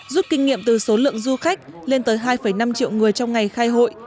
rút kinh nghiệm từ số lượng du khách lên tới hai năm triệu người trong ngày khai hội